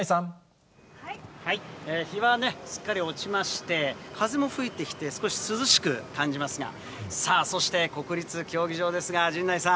日はすっかり落ちまして、風も吹いてきて、少し涼しく感じますが、そして国立競技場ですが、陣内さん。